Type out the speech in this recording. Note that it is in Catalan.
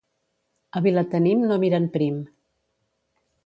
A Vilatenim no miren prim.